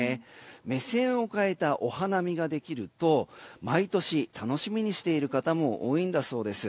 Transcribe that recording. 目線を変えたお花見ができると毎年、楽しみにしている方も多いんだそうです。